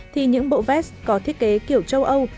thì những bộ vest có thiết kế kiểu châu âu